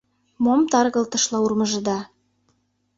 Мом таргылтышла урмыжыда!